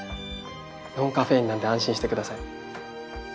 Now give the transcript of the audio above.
ノンカフェインなんで安心してください。